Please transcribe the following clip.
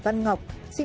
truy nã đối tượng